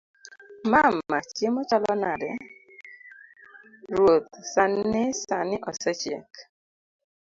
mama; chiemo chalo nade? ruoth; sani sani osechiek